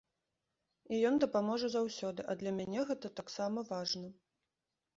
І ён дапаможа заўсёды, а для мяне гэта таксама важна.